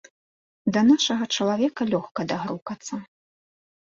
Да нашага чалавека лёгка дагрукацца.